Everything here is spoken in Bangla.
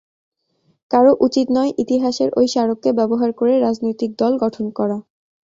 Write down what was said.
কারও উচিত নয় ইতিহাসের ওই স্মারককে ব্যবহার করে রাজনৈতিক দল গঠন করা।